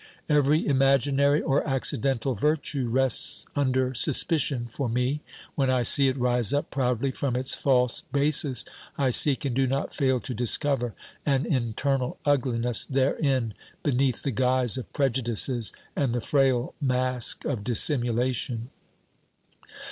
Every imaginary or accidental virtue rests under suspicion for me ; when I see it rise up proudly from its false basis, I seek and do not fail to discover an internal ugliness therein beneath the guise of prejudices and the frail mask of dissimulation.